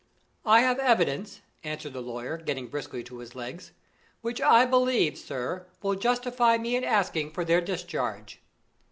"I have evidence," answered the lawyer, getting briskly on his legs, "which I believe, sir, will justify me in asking for their discharge."